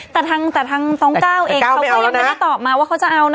แต่ทางน้องก้าวเองเขาก็ยังไม่ได้ตอบมาว่าเขาจะเอานะ